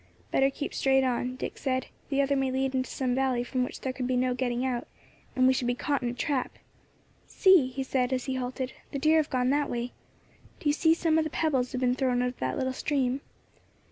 "Better keep straight on," Dick said; "the other may lead into some valley from which there could be no getting out, and we should be caught in a trap. See!" he said, as he halted, "the deer have gone that way. Do you see some of the pebbles have been thrown out of that little stream?